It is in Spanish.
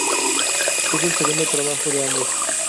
Es el segundo trabajo de ambos.